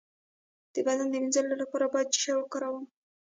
د بدن د مینځلو لپاره باید څه شی وکاروم؟